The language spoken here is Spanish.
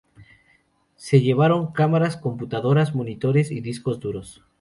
Se llevaron cámaras, computadoras, monitores y discos duros.